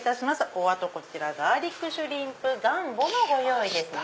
お後こちらガーリックシュリンプガンボのご用意ですね。